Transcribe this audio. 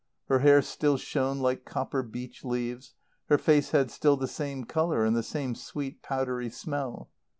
Her hair still shone like copper beech leaves; her face had still the same colour and the same sweet, powdery smell.